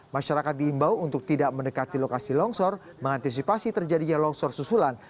masyarakat diimbau untuk tidak mendekati lokasi longsor mengantisipasi terjadinya longsor susulan